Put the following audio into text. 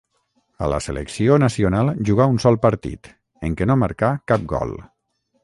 A la selecció nacional jugà un sol partit, en què no marcà cap gol.